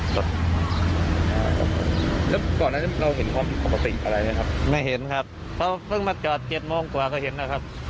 แล้วก่อนอันนี้เราเห็นความผิดปกติอะไรไหมครับไม่เห็นครับเขาเพิ่งมาจอด๗โมงกว่าก็เห็นนะครับ